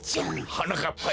はなかっぱよ